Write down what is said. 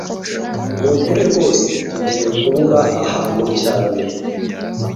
Nukuri rwose tugiye kubura aha hantu cyane